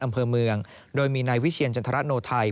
อำเภอเมืองโดยมีนายวิเชียรจันทรโนไทย